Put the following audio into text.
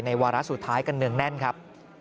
วาระสุดท้ายกันเนืองแน่นครับ